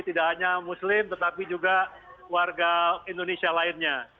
tidak hanya muslim tetapi juga warga indonesia lainnya